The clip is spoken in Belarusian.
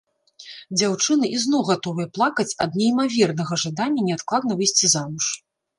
Дзяўчыны ізноў гатовыя плакаць ад неймавернага жадання неадкладна выйсці замуж.